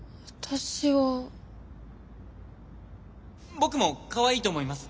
僕もかわいいと思います。